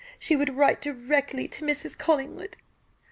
She would write directly to Mrs. Collingwood."